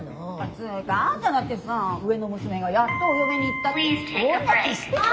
つーかあんただってさ上の娘がやっとお嫁に行ったって大泣きしてたじゃない。